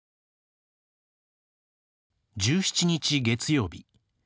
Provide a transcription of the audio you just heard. １７日、月曜日。